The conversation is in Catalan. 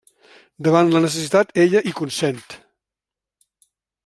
Davant la necessitat ella hi consent.